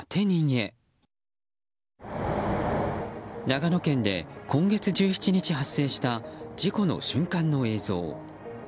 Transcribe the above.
長野県で今月１７日発生した事故の瞬間の映像。